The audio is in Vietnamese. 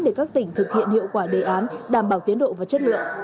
đề án đảm bảo tiến độ và chất lượng